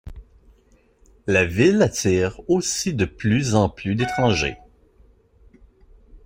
La ville attire aussi de plus en plus d'étrangers.